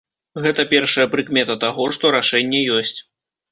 Гэта першая прыкмета таго, што рашэнне ёсць.